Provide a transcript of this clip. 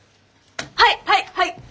はいはいはい！